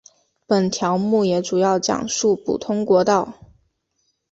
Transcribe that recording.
本条目也主要讲述普通国道。